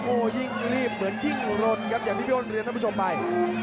โอ้โหยิ่งรีบเหมือนยิ่งรนครับอย่างที่พี่อ้นเรียนท่านผู้ชมไป